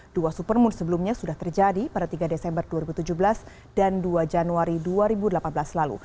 dua supermoon sebelumnya sudah terjadi pada tiga desember dua ribu tujuh belas dan dua januari dua ribu delapan belas lalu